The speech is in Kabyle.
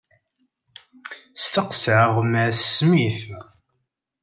Steqseɣ Mass Smith.